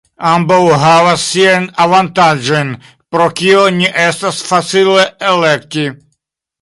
Ambaŭ havas siajn avantaĝojn, pro kio ne estas facile elekti.